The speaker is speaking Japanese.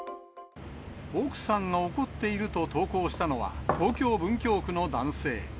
奥さんが怒っていると投稿したのは、東京・文京区の男性。